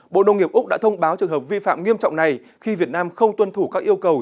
bộ nông nghiệp úc đã thông báo trường hợp vi phạm nghiêm trọng này khi việt nam không tuân thủ các yêu cầu